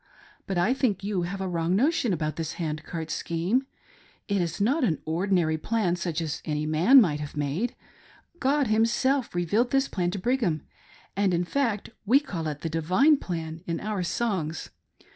But I think you have a wrong notion about this hand cart scheme. It is not an ordinary plan such as any man might have made. God Himself revealed this plan to Brigham, and in fact we zail it ' the divine plan ' in our songs.